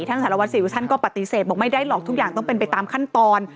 สารวัสสิวท่านก็ปฏิเสธบอกไม่ได้หรอกทุกอย่างต้องเป็นไปตามขั้นตอน